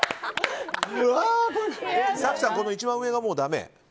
早紀さんは一番上がもうだめ。